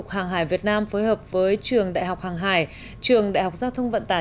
hàng hải việt nam phối hợp với trường đại học hàng hải trường đại học giao thông vận tải